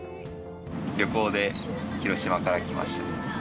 旅行で広島から来ました。